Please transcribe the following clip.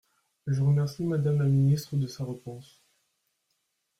Je remercie Madame la ministre de sa réponse.